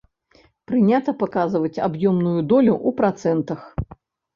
Прынята паказваць аб'ёмную долю ў працэнтах.